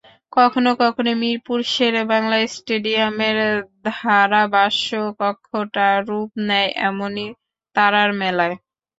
কখনো কখনো মিরপুর শেরেবাংলা স্টেডিয়ামের ধারাভাষ্যকক্ষটা রূপ নেয় এমনই তারার মেলায়।